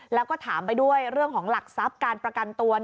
แล้วก็ถามไปด้วยเรื่องของหลักทรัพย์การประกันตัว